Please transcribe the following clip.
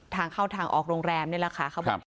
ทางเข้าทางออกโรงแรมเนี่ยแหละครับ